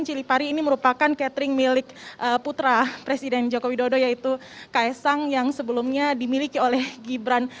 cilipari ini merupakan catering milik putra presiden joko widodo yaitu kaisang yang sebelumnya dimiliki oleh gibran